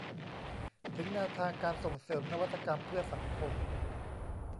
ถึงแนวทางการส่งเสริมนวัตกรรมเพื่อสังคม